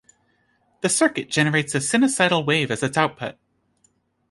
The circuit generates a sinusoidal wave at its output.